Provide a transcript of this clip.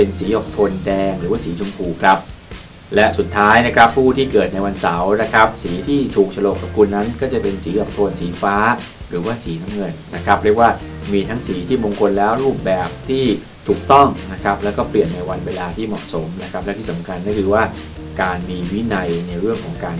สีออกโทนแดงหรือว่าสีชมพูครับและสุดท้ายนะครับผู้ที่เกิดในวันเสาร์นะครับสีที่ถูกฉลกกับคุณนั้นก็จะเป็นสีกับโทนสีฟ้าหรือว่าสีน้ำเงินนะครับเรียกว่ามีทั้งสีที่มงคลแล้วรูปแบบที่ถูกต้องนะครับแล้วก็เปลี่ยนในวันเวลาที่เหมาะสมนะครับและที่สำคัญก็คือว่าการมีวินัยในเรื่องของการ